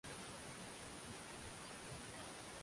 ya kikatili Kwa ufupi sababu za jumla